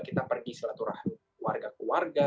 kita pergi selaturah keluarga keluarga